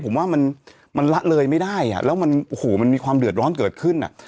ผมว่ามันละเลยไม่ได้อ่ะแล้วมันโอ้โหมันมีความเดือดร้อนเกิดขึ้นอ่ะ